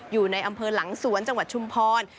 อยู่ในอำเภอหลังสวนจังหวัดชุมพร